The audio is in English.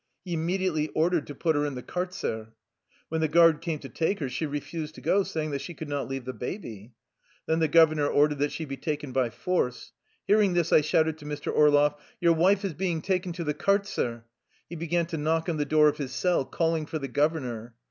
He immediately ordered to put her in the kartzer. When the guard came to take her she refused to go, saying that she could not leave the baby. Then the governor ordered that she be taken by force. Hearing this, I shouted to Mr. Orloff: "Your wife is being taken to the kartzer." He began to knock on the door of his cell, calling for the governor.